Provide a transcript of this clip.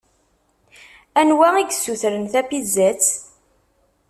Anwa i yessutren tapizzat?